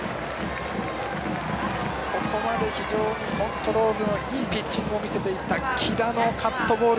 ここまで非常にコントロールのいいピッチングを見せていた木田のカットボール